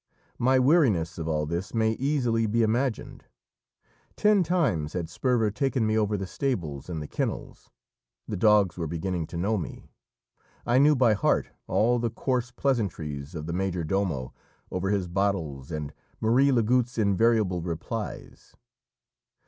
My weariness of all this may easily be imagined. Ten times had Sperver taken me over the stables and the kennels; the dogs were beginning to know me. I knew by heart all the coarse pleasantries of the major domo over his bottles and Marie Lagoutte's invariable replies.